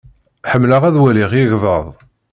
Ḥemmleɣ ad waliɣ igḍaḍ.